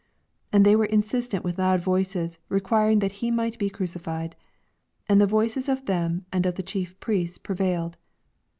23 And they were instant with loud voices, requiring that he might be crucified. And the voices of them and of the Chief Priests prevmled.